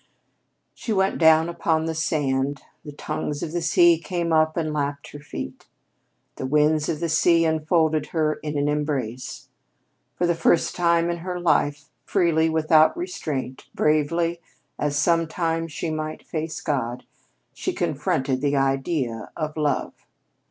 She went down upon the sands. The tongues of the sea came up and lapped her feet. The winds of the sea enfolded her in an embrace. For the first time in her life, freely, without restraint, bravely, as sometime she might face God, she confronted the idea of Love.